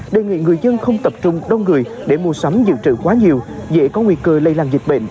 đề nghị người dân không tập trung đông người để mua sắm dự trữ quá nhiều dễ có nguy cơ lây lan dịch bệnh